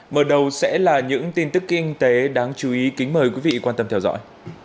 mở đầu sẽ là những tin tức kinh tế đáng chú ý kính mời quý vị quan tâm theo dõi